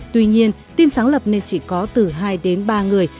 tuy nhiên team sáng lập nên chỉ có từ hai đến ba người